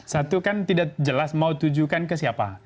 satu kan tidak jelas mau tujukan ke siapa